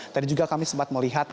tadi juga kami sempat melihat